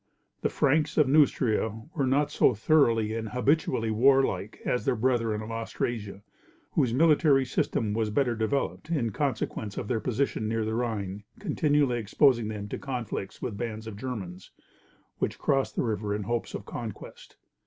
The Franks of Neustria were not so thoroughly and habitually warlike as their brethren of Austrasia, whose military system was better developed, in consequence of their position near the Rhine continually exposing them to conflicts with bands of Germans, which crossed the river in hopes of conquest.